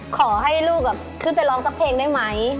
ขอให้ลูกขึ้นไปร้องสักเพลงได้ไหม